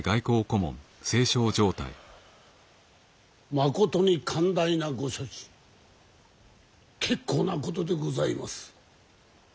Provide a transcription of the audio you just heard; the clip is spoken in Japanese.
まことに寛大なご処置結構なことでございます。